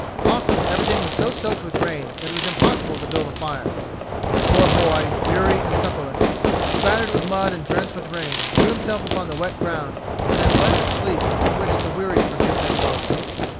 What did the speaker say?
Often everything was so soaked with rain that it was impossible to build a fire. The poor boy, weary and supperless, spattered with mud and drenched with rain, threw himself upon the wet ground for that blessed sleep in which the weary forget their woes.